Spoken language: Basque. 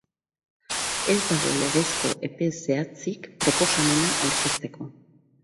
Ez dago legezko epe zehatzik proposamena aurkezteko.